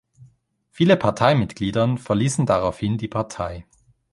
Viele Parteimitgliedern verließen daraufhin die Partei.